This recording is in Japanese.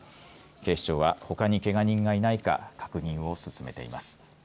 警視庁は、ほかにけが人がいないか確認を進めています。